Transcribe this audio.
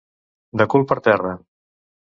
De cul per terra.